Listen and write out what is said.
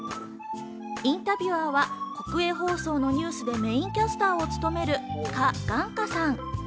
インタビュアーは国営放送のニュースでメインキャスターを務めるカ・ガンカさん。